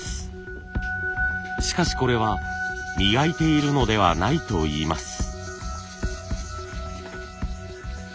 しかしこれは磨いているのではないといいます。